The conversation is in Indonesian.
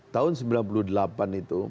tahun sembilan puluh delapan itu